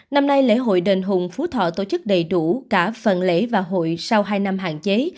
năm nay lễ hội đền hùng phú thọ tổ chức đầy đủ cả phần lễ và hội sau hai năm hạn chế